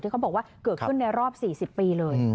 เขาบอกว่าเกิดขึ้นในรอบ๔๐ปีเลย